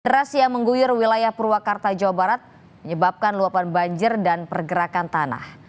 deras yang mengguyur wilayah purwakarta jawa barat menyebabkan luapan banjir dan pergerakan tanah